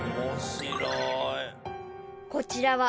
［こちらは］